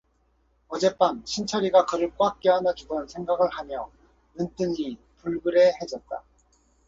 어젯밤 신철이가 그를 꽉 껴안아 주던 생각을 하며 눈등이 불그레해졌다.